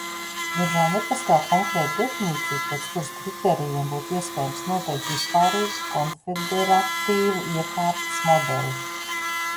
Diemžēl nepastāv konkrēta definīcija, pēc kuras kritērijiem būtu iespējams noteikt vispārīgu konfederatīvu iekārtas modeli.